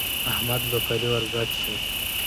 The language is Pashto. احمد لو پرې ور ګډ شو.